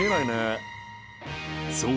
［そう。